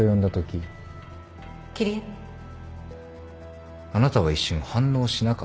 桐江あなたは一瞬反応しなかった。